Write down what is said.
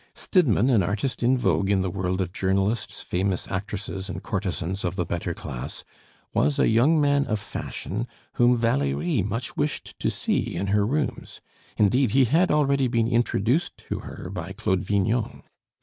Stidmann, an artist in vogue in the world of journalists, famous actresses, and courtesans of the better class, was a young man of fashion whom Valerie much wished to see in her rooms; indeed, he had already been introduced to her by Claude Vignon.